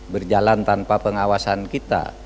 berjalan tanpa pengawasan kita